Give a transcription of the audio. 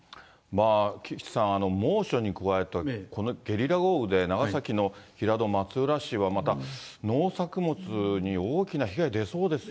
岸さん、猛暑に加えてこのゲリラ豪雨で長崎の平戸、松浦市はまた農作物に大きな被害、出そうですね。